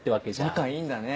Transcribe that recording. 仲いいんだね。